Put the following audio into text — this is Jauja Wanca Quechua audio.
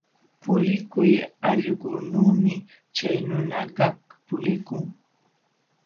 Pulikuq allqunuumi chay nunakaq pulikun.